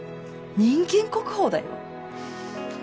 人間国宝だよ。